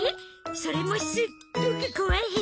それもすっごくこわいヘビ！